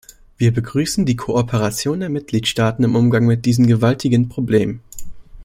Wir begrüßen die Kooperation der Mitgliedstaaten im Umgang mit diesem gewaltigen Problem.